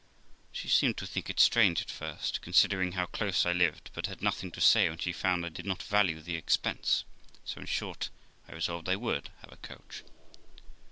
She seemed to think it strange at first, considering how close I lived, but had nothing to say when she found I did not value the expense; so, in short, I resolved I would have a coach.